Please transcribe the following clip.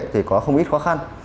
thì có không ít khó khăn